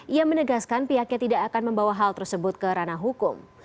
ia menegaskan pihaknya tidak akan membawa hal tersebut ke ranah hukum